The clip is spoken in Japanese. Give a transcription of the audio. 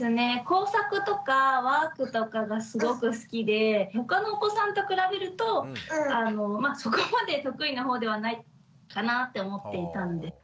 工作とかワークとかがすごく好きでほかのお子さんと比べるとそこまで得意な方ではないかなって思っていたんで。